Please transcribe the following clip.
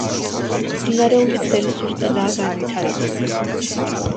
მდინარეული ქსელი სუსტადაა განვითარებული.